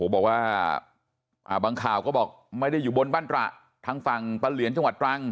บอกว่าบางข่าวก็บอกไม่ได้อยู่บนบ้านตระทางฝั่งปะเหลียนจังหวัดตรัง